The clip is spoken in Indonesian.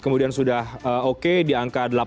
kemudian sudah oke di angka